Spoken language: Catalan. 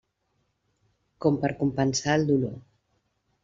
Com per compensar el dolor.